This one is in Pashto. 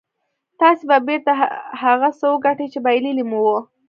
تاسې به بېرته هغه څه وګټئ چې بايللي مو وو.